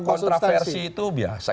ya biasa kontroversi itu biasa